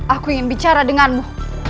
aku ingin bicara denganmu